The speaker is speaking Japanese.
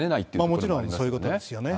もちろんそういうことですよね。